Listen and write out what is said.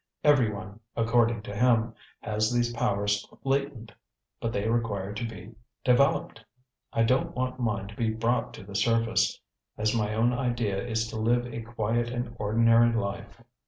Everyone according to him has these powers latent, but they require to be developed. I don't want mine to be brought to the surface, as my own idea is to live a quiet and ordinary life."